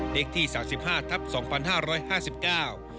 เล็กที่๓๕ทัพ๒ประกาศ